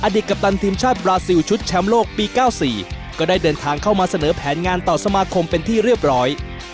เด็กกัปตันทีมชาติบราซิลชุดแชมป์โลกปี๙๔ก็ได้เดินทางเข้ามาเสนอแผนงานต่อสมาคมเป็นที่เรียบร้อย